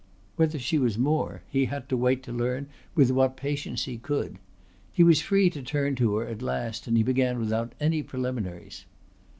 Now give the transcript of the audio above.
Whether she was more he had to wait to learn with what patience he could. He was free to turn to her at last and he began without any preliminaries.